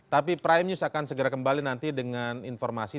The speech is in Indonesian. tapi prime news akan segera kembali nanti dengan informasi